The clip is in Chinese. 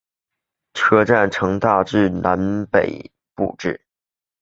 车站呈大致南北向布置。